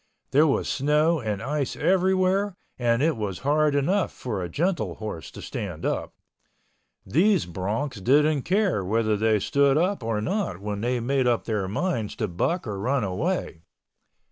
There was snow and ice everywhere and it was hard enough for a gentle horse to stand up. These broncs didn't care whether they stood up or not when they made up their minds to buck or run away.